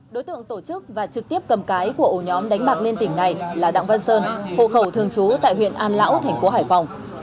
đối tượng tổ chức và trực tiếp cầm cái của ổ nhóm đánh bạc liên tỉnh này là đặng văn sơn hộ khẩu thường trú tại huyện an lão thành phố hải phòng